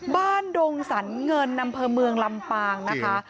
บ้านดงสรรเงินนำเภอเมืองลำปางนะคะ